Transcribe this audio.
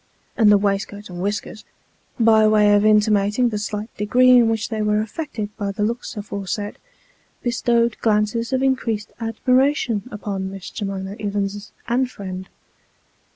And the waistcoat and whiskers, by way of intimating the slight degree in which they were affected by the looks aforesaid, bestowed glances of increased admiration upon Miss J'mima Ivins and friend.